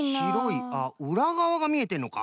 あっうらがわがみえてんのか。